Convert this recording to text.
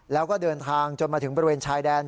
แล้วก็เดินทางจนมาถึงบริเวณชายแดน